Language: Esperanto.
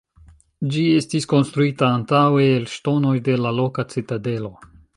Ĝi estis konstruita antaŭe el ŝtonoj de la loka citadelo.